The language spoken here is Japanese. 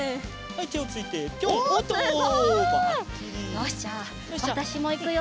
よしじゃあわたしもいくよ。